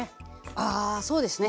ああそうですね。